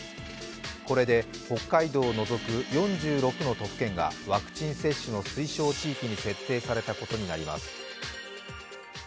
これで北海道を除く４６の都府県がワクチン接種の推奨地域に設定されたことになります。